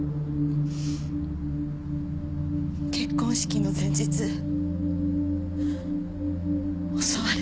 結婚式の前日襲われて。